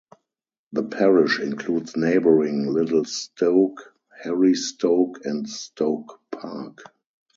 The parish includes neighbouring Little Stoke, Harry Stoke and Stoke Park.